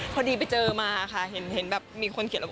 พอดีไปเจอมาค่ะเห็นแบบมีคนเขียนว่า